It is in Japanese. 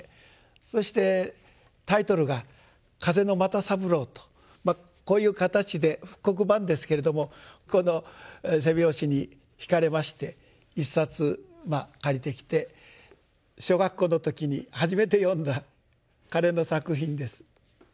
そしてタイトルが「風の又三郎」とこういう形で復刻版ですけれどもこの背表紙にひかれまして１冊まあ借りてきて小学校の時に初めて読んだ彼の作品です。